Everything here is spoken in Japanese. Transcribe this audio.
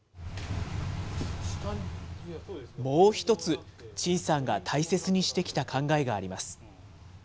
もう１つ、陳さんが大切にしてきた考えがあります。